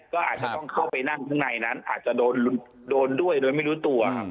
ก็อาจจะต้องเข้าไปนั่งข้างในนั้นอาจจะโดนด้วยโดยไม่รู้ตัว